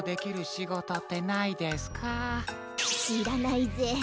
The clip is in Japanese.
しらないぜ。